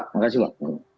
terima kasih pak